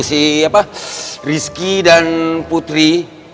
siapa rizky dan putri